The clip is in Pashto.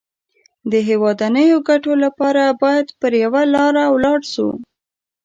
د هېوادنيو ګټو لپاره بايد پر يوه لاره ولاړ شو.